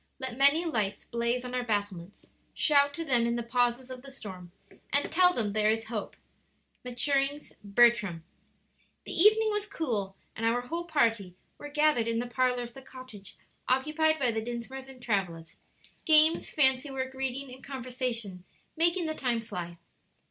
Let many lights blaze on our battlements; Shout to them in the pauses of the storm, And tell them there is hope." Maturings "Bertram." The evening was cool, and our whole party were gathered in the parlor of the cottage occupied by the Dinsmores and Travillas games, fancy work, reading, and conversation making the time fly.